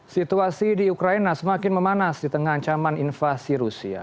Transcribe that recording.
situasi di ukraina semakin memanas di tengah ancaman invasi rusia